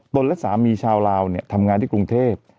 และสามีชาวลาวทำงานที่กรุงเทพ